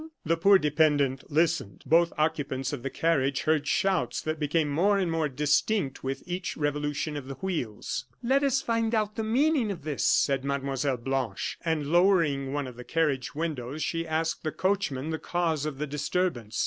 The poor dependent listened. Both occupants of the carriage heard shouts that became more and more distinct with each revolution of the wheels. "Let us find out the meaning of this," said Mlle. Blanche. And lowering one of the carriage windows, she asked the coachman the cause of the disturbance.